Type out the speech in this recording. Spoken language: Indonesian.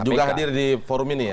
juga hadir di forum ini ya